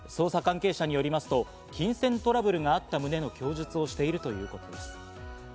捜査関係者によりますと金銭トラブルがあった旨の供述をしているということです。